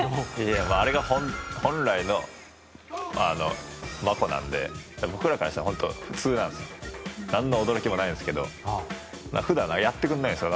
あれが本来のマコなんで僕らからしたら普通なんですよ。何の驚きもないんですけど普段やってくれないんですよ。